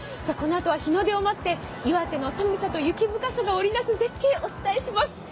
このあとは日の出を待って岩手の寒さと雪深さが織りなす絶景、お伝えします。